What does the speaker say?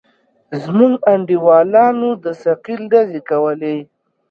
زموږ انډيوالانو د ثقيل ډزې کولې.